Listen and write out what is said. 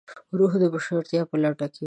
روح د بشپړتیا په لټه کې وي.